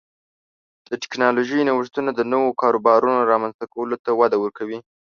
د ټکنالوژۍ نوښتونه د نوو کاروبارونو رامنځته کولو ته وده ورکوي.